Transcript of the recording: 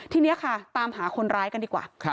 ทีนี้ค่ะตามหาคนร้ายกันดีกว่า